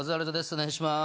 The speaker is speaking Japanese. お願いします